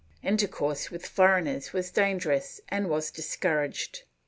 ^ Intercourse with foreigners was dangerous and was discouraged.